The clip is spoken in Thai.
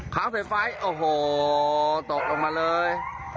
ค้างใส่ไฟโอ้โหตกลงมาเลย